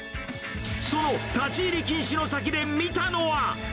その立ち入り禁止の先で見たのは。